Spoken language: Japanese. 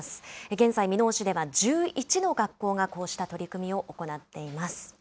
現在、箕面市では１１の学校がこうした取り組みを行っています。